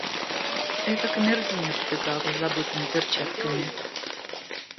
Это камердинер вбегал за забытыми перчатками.